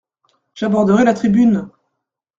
J’aborderais la tribune !…